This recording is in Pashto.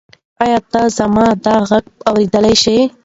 ایا ته زما دا غږ اورېدلی شې؟